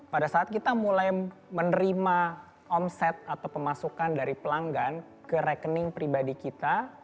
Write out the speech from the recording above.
pada saat kita mulai menerima omset atau pemasukan dari pelanggan ke rekening pribadi kita